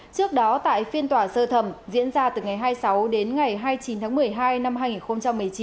trước đó tại phiên tòa sơ thẩm diễn ra từ ngày hai mươi sáu đến ngày hai mươi chín tháng một mươi hai năm hai nghìn một mươi chín